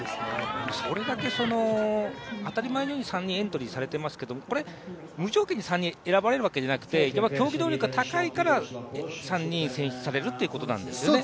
それだけ当たり前のように３名エントリーされてますけどこれ無条件に３人選ばれるわけではなくて、競技能力が高いから３人選出されるということなんですよね？